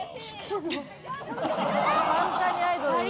簡単にアイドル売る。